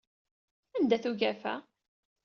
Anda-t ugafa?